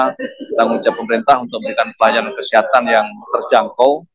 kita mengucapkan pemerintah untuk memberikan pelayanan kesehatan yang terjangkau